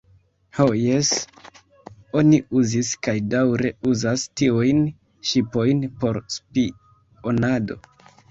Ho jes, oni uzis kaj daŭre uzas tiujn ŝipojn por spionado.